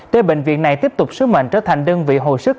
tới bệnh viện này tiếp tục sứ mệnh trở thành đơn vị hồ sức